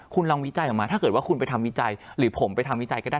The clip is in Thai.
คุณลองวิจัยออกมาถ้าเกิดว่าคุณไปทำวิจัยหรือผมไปทำวิจัยก็ได้